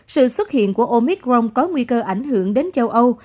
sự xuất hiện của omicron có nguy cơ ảnh hưởng đến châu âu